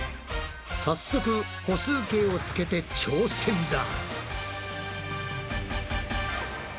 早速歩数計をつけて挑戦だ。